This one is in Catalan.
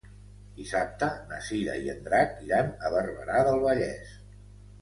Dissabte na Cira i en Drac iran a Barberà del Vallès.